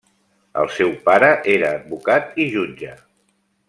El seu pare era advocat i jutge.